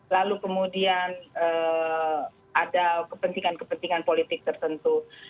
lalu kemudian ada kepentingan kepentingan politik tertentu